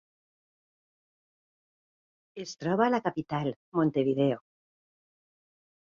Es troba a la capital, Montevideo.